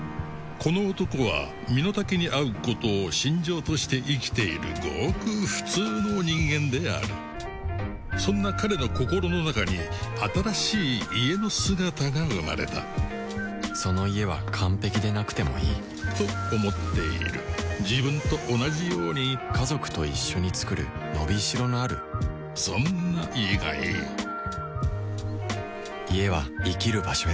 この男は身の丈に合うことを信条として生きているごく普通の人間であるそんな彼の心の中に新しい「家」の姿が生まれたその「家」は完璧でなくてもいいと思っている自分と同じように家族と一緒に作る伸び代のあるそんな「家」がいい家は生きる場所へ